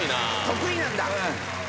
得意なんだ！